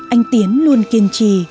anh tiến luôn kiên trì